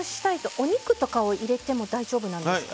お肉とかを入れても大丈夫なんですか？